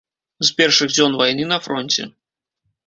З першых дзён вайны на фронце.